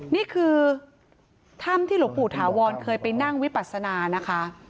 นี่คือถ้ำที่หลวงปู่ถาวรเคยไปนั่งวิปัสนานะคะ